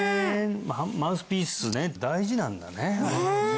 マウスピースね大事なんだねねえ